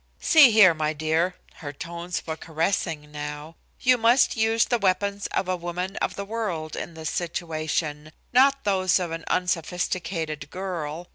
"See here, my dear," her tones were caressing now. "You must use the weapons of a woman of the world in this situation, not those of an unsophisticated girl.